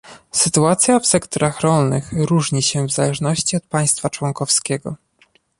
Sytuacja w sektorach rolnych różni się w zależności od państwa członkowskiego